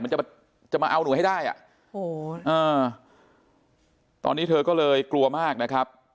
จะจะมาเอาหนูให้ได้อ่ะโอ้โหตอนนี้เธอก็เลยกลัวมากนะครับ